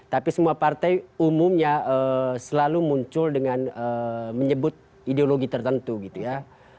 tapi semua partai umumnya selalu muncul dengan menyebut ideologi tertentu gitu ya